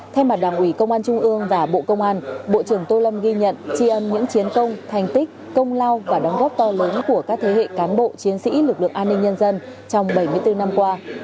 thay mặt đảng ủy công an trung ương và bộ công an bộ trưởng tô lâm ghi nhận trì âm những chiến công thành tích công lao và đóng góp to lớn của các thế hệ cán bộ chiến sĩ lực lượng an ninh nhân dân trong bảy mươi bốn năm qua